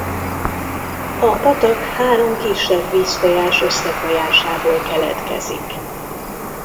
A patak három kisebb vízfolyás összefolyásából keletkezik.